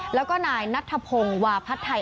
และนายนัทธพงวาพัททัย